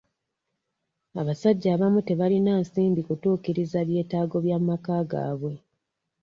Abasajja abamu tebalina nsimbi kutuukiriza byetaago bya maka gaabwe.